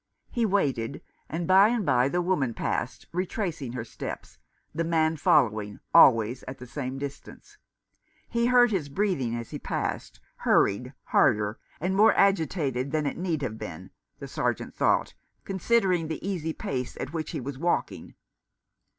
He waited, and by and by the woman passed, retracing her steps, the man following, always at about the same distance. He heard his breathing 250 The Boyhood of Oliver Greswold. as he passed, hurried, harder, and more agitated than it need have been, the Sergeant thought, considering the easy pace at which he was walking.